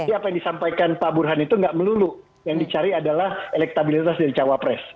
jadi apa yang disampaikan pak burhan itu enggak melulu yang dicari adalah elektabilitas dari cawapres